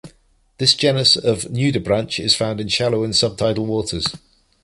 This genus of nudibranch is found in shallow and subtidal waters.